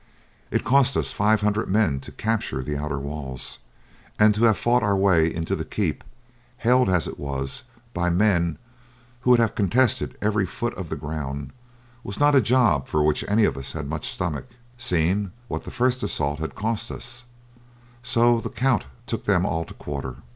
"It cost us five hundred men to capture the outer walls, and to have fought our way into the keep, held, as it was, by men who would have contested every foot of the ground, was not a job for which any of us had much stomach, seeing what the first assaults had cost us; so the count took them all to quarter.